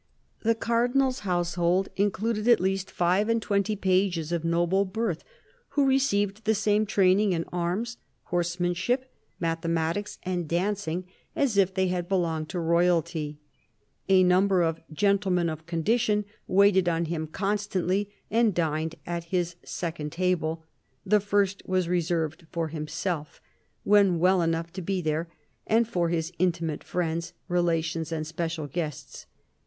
The Cardinal's household include^ at least five anc} p 2 13 z W E K =^ u a 3 o THE CARDINAL 239 twenty pages of noble birth, who received the same training in arms, horsemanship, mathematics, and dancing as if they had belonged to Royalty. A number of " gentlemen of condition "waited on him constantly and dined at his second table ; the first was reserved for himself — when well enough to be there — and for his intimate friends, relations, and special guests.